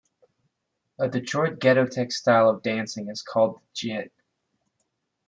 A Detroit ghettotech style of dancing is called the jit.